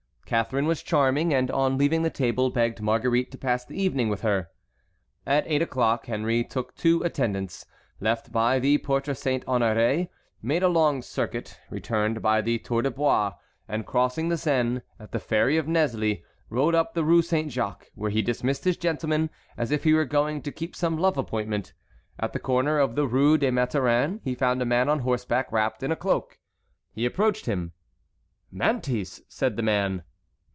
Catharine was charming, and on leaving the table begged Marguerite to pass the evening with her. At eight o'clock Henry took two attendants, left by the Porte Saint Honoré, made a long circuit, returned by the Tour de Bois, and crossing the Seine at the ferry of Nesle, rode up the Rue Saint Jacques, where he dismissed his gentlemen, as if he were going to keep some love appointment. At the corner of the Rue des Mathurins he found a man on horseback, wrapped in a cloak. He approached him. "Mantes!" said the man.